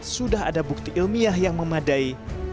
sudah ada bukti ilmiah yang memadai